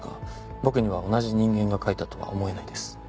僕には同じ人間が描いたとは思えないです。